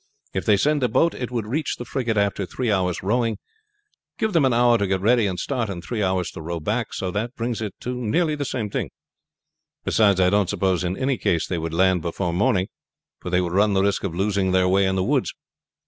If they send a boat it would reach the frigate after three hours' rowing; give them an hour to get ready and start, and three hours to row back, so that brings it to nearly the same thing. Beside, I don't suppose in any case they would land before morning, for they would run the risk of losing their way in the woods.